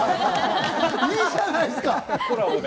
いいじゃないですか。